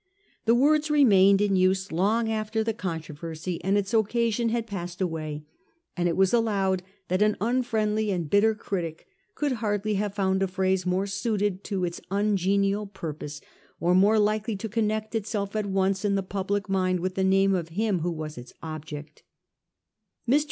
The words remained in use long after the controversy and its occasion had passed away; and it was allowed that an unfriendly and bitter critic could hardly have found a phrase more suited to its ungenial purpose or more likely to connect itself at once in the public mind with the name of him who was its object. Mr.